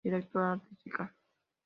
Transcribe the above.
Directora Artística.